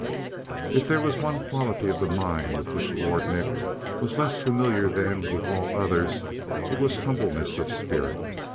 If there was one quality of the mind with which Lord Nick was less familiar than with all others, it was humbleness of spirit.